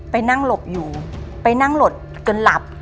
ไปนั่งหลบอยู่ไปนั่งหลบจนหลับ